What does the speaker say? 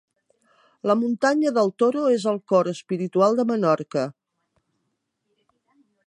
La muntanya del Toro és el cor espiritual de Menorca.